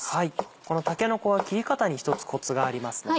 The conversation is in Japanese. このたけのこは切り方に一つコツがありますので。